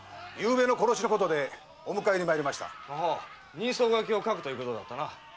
人相書きを描くということだったな。